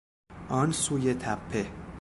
آن سوی تپه